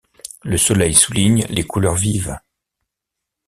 Le soleil souligne les couleurs vives.